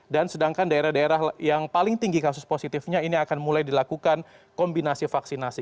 dan sedangkan daerah daerah yang paling tinggi kasus positifnya ini akan mulai dilakukan kombinasi vaksinasi